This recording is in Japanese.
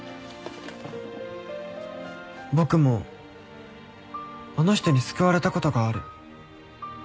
僕もあの人に救われた事がある。